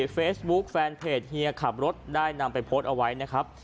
เฟซบุ๊คแฟนเพจเฮียขับรถได้นำไปโพสต์เอาไว้นะครับ